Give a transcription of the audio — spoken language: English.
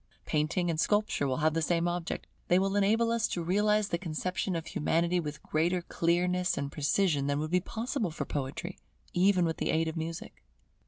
Painting and Sculpture will have the same object; they will enable us to realize the conception of Humanity with greater clearness and precision than would be possible for Poetry, even with the aid of Music.